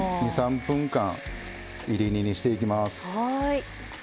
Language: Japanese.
２３分間いり煮にしていきます。